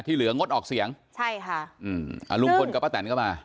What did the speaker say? ที่เหลืองดออกเสียงลุงพลกับป้าแตนก็มา